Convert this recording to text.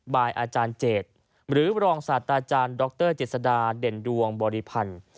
บายอาจารย์เจตหรือรองศาสตราจารย์ดรเจษดาเด่นดวงบริพันธ์